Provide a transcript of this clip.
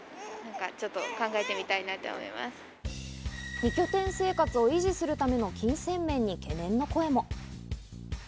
二拠点生活を維持するための金銭面に懸念の声も。